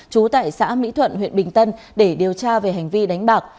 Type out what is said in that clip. trú tại xã mỹ thuận huyện bình tân để điều tra về hành vi đánh bạc